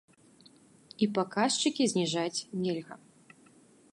І паказчыкі зніжаць нельга.